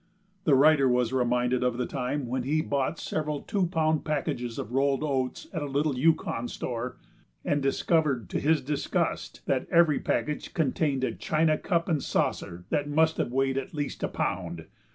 The writer was reminded of the time when he bought several two pound packages of rolled oats at a little Yukon store and discovered to his disgust that every package contained a china cup and saucer that must have weighed at least a pound.